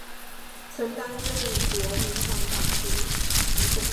曾任国民党党团总召。